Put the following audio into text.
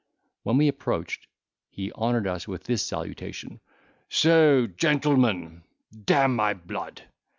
When we approached, he honoured us with this salutation: "So, gentlemen, d—n my blood!